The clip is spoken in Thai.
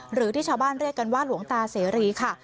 หรือที่ชาวบ้านเรียกกันว่าหลวงตาเสรีค่ะ